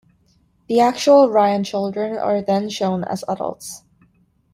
The actual Ryan children are then shown as adults.